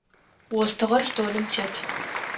Остыгъэр столым тет.